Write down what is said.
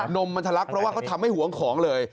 มมันทะลักเพราะว่าเขาทำให้หวงของเลย